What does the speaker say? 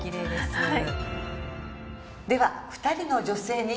はい。